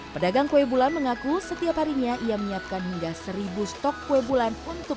pedagang kue bulan mengaku setiap harinya ia menyiapkan hingga seribu stok kue bulan untuk